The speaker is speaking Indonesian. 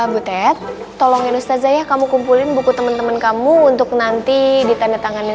butet tolongin ustazah ya kamu kumpulin buku temen temen kamu untuk nanti ditandatangani